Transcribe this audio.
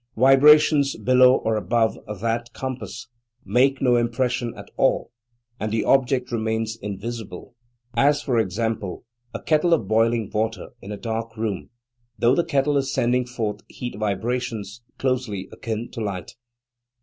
Vibrations below or above that compass make no impression at all, and the object remains invisible; as, for example, a kettle of boiling water in a dark room, though the kettle is sending forth heat vibrations closely akin to light.